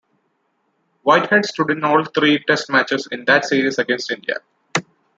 Whitehead stood in all three Test matches in that series against India.